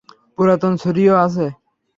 পুরাতন ছুরিও আছে।